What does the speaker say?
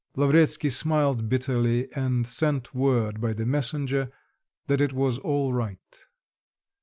Lavretsky smiled bitterly, and sent word by the messenger that it was all right.